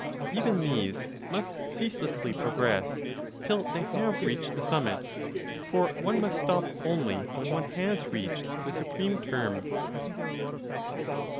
Even these must ceaselessly progress till they have reached the summit; for one must stop only when one has reached the supreme term.